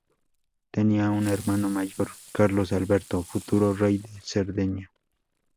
Tenía un hermano mayor, Carlos Alberto, futuro rey de Cerdeña.